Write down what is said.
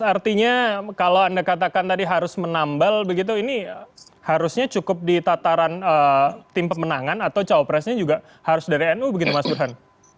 artinya kalau anda katakan tadi harus menambal begitu ini harusnya cukup di tataran tim pemenangan atau cawapresnya juga harus dari nu begitu mas burhan